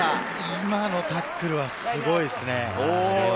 今のタックルはすごいですね。